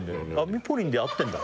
ミポリンで合ってんだ